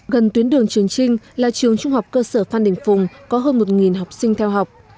gần tuyến đường trường trinh là trường trung học cơ sở phan đình phùng có hơn một học sinh theo học